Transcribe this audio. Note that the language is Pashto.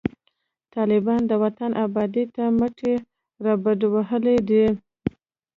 طالبان د وطن آبادۍ ته مټي رابډوهلي دي